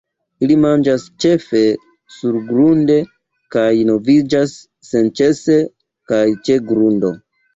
Ili manĝas ĉefe surgrunde, kaj moviĝas senĉese kaj ĉe grundo.